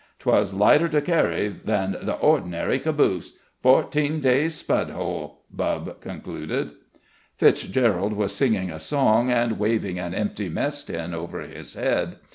'Twas lighter to carry than the or'nary caboosh. Fourteen days' spudhole," Bubb concluded. Fitzgerald was singing a song and waving an empty mess tin over his head.